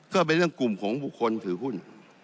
ก็เป็นเรื่องกลุ่มของบุคคลถือหุ้น